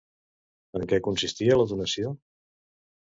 En què consistia la donació?